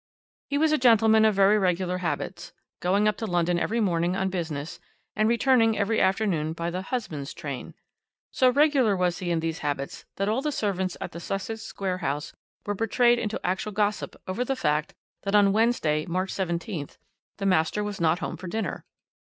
"He was a gentleman of very regular habits, going up to London every morning on business and returning every afternoon by the 'husband's train.' So regular was he in these habits that all the servants at the Sussex Square house were betrayed into actual gossip over the fact that on Wednesday, March 17th, the master was not home for dinner.